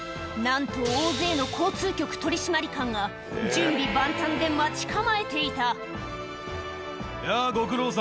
なんと大勢の交通局取締官が準備万端で待ち構えていた！